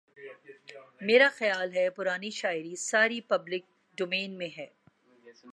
میرا خیال ہے پرانی شاعری ساری پبلک ڈومین میں ہے